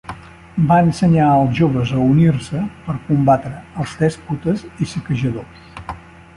Va ensenyar als joves a unir-se per combatre els dèspotes i saquejadors.